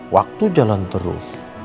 waktu jalan terus